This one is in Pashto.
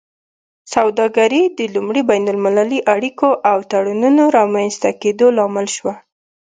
سوداګري د لومړي بین المللي اړیکو او تړونونو رامینځته کیدو لامل شوه